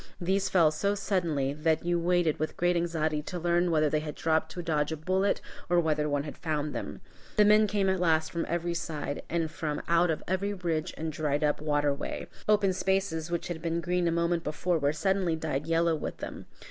These fell so suddenly, that you waited with great anxiety to learn whether they had dropped to dodge a bullet or whether one had found them. The men came at last from every side, and from out of every ridge and dried up waterway. Open spaces which had been green a moment before were suddenly dyed yellow with them.